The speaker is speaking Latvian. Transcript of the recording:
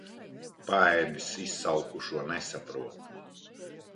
Paēdis izsalkušo nesaprot.